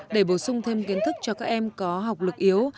để bổ sung thêm kiến thức cho các em có học lực yếu